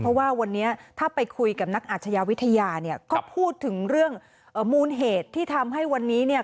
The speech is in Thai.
เพราะว่าวันนี้ถ้าไปคุยกับนักอาชญาวิทยาเนี่ยก็พูดถึงเรื่องมูลเหตุที่ทำให้วันนี้เนี่ย